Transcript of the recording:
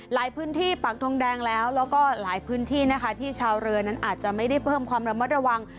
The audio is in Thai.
หลายพื้นที่ปากทงแดงแล้วแล้วก็หลายพื้นที่นะคะที่ชาวเรือนั้นอาจจะไม่ได้เพิ่มความระมัดระวัง